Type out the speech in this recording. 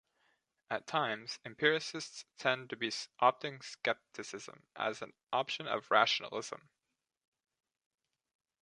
At times, empiricists tend to be opting skepticism as an option of rationalism.